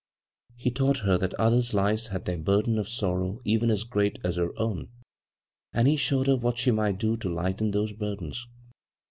He taught her that other lives had their burden of sorrow even as great as her own, and he showed her what she might do to lighten those burdens.